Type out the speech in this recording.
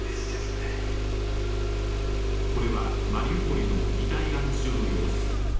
これはマリウポリの遺体安置所の様子。